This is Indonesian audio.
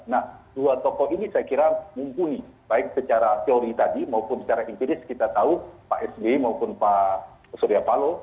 nah dua tokoh ini saya kira mumpuni baik secara teori tadi maupun secara intilis kita tahu pak s b maupun pak suryapalo